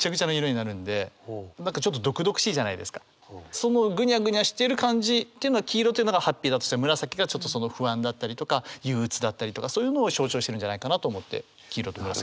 そのぐにゃぐにゃしている感じっていうのは黄色というのがハッピーだとしたら紫がちょっと不安だったりとか憂うつだったりとかそういうのを象徴してるんじゃないかなと思って黄色と紫。